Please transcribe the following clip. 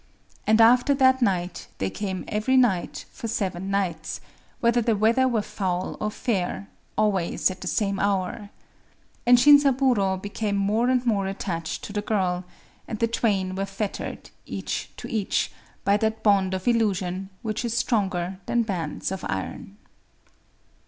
And after that night they came every nighht for seven nights,—whether the weather were foul or fair,—always at the same hour. And Shinzaburō became more and more attached to the girl; and the twain were fettered, each to each, by that bond of illusion which is stronger than bands of iron.